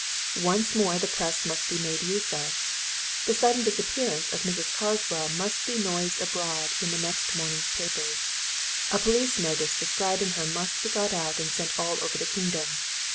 Once more the press must be made use of the sudden disappearance of Mrs. Carswell must be noised abroad in the next morning's papers. A police notice describing her must be got out and sent all over the kingdom.